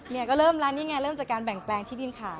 ก็เริ่มแล้วนี่ไงเริ่มจากการแบ่งแปลงที่ดินขาย